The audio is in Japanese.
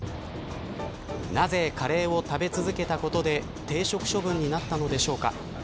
なぜ、カレーを食べ続けたことで停職処分になったのでしょうか。